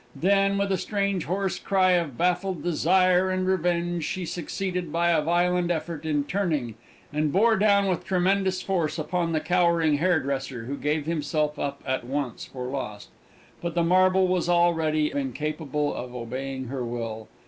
Then, with a strange hoarse cry of baffled desire and revenge, she succeeded, by a violent effort, in turning, and bore down with tremendous force upon the cowering hairdresser, who gave himself up at once for lost. But the marble was already incapable of obeying her will.